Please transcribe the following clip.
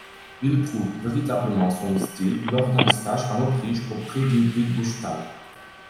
Il trouve véritablement son style lors d'un stage en Autriche auprès d'Ingrid Buchthal.